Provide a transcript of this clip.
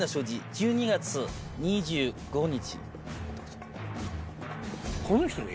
１２月２５日。